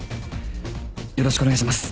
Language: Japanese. よろしくお願いします。